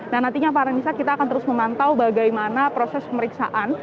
nah nantinya para pemirsa kita akan terus memantau bagaimana proses pemeriksaan